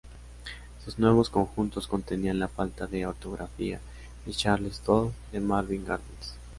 Sus nuevos conjuntos contenían la falta de ortografía de Charles Todd "de Marvin Gardens".